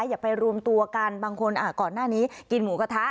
อย่าไปรวมตัวกันบางคนก่อนหน้านี้กินหมูกระทะ